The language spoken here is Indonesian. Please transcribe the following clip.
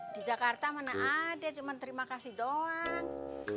di jakarta mana ada cuma terima kasih doang